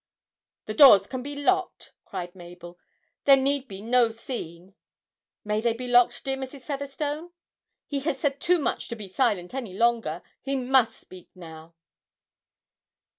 'The doors can be locked,' cried Mabel. 'There need be no scene. May they be locked, dear Mrs. Featherstone? He has said too much to be silent any longer: he must speak now!'